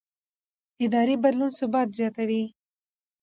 اداري بدلون ثبات زیاتوي